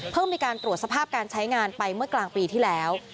มีการตรวจสภาพการใช้งานไปเมื่อกลางปีที่แล้ว